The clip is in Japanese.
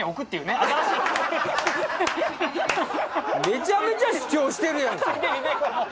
めちゃめちゃ主張してるやん。